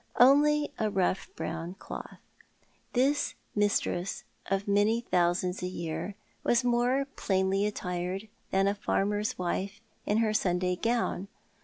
Only a rough brown cloth. This mistress of many thousands a year was more plainly attired than a farmer's wife ia her Sunday gown.